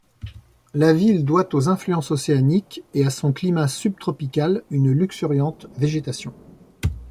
La ville doit aux influences océaniques et à son climat subtropical une luxuriante végétation.